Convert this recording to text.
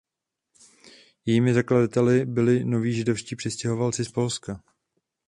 Jejími zakladateli byli noví židovští přistěhovalci z Polska.